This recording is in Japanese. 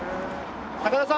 高田さん